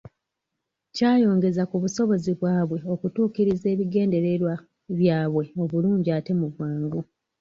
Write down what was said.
Kya yongeza ku busobozi bwabwe okutuukiriza ebigendererwa byabwe obulungi ate mu bwangu.